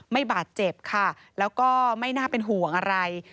บาดเจ็บค่ะแล้วก็ไม่น่าเป็นห่วงอะไร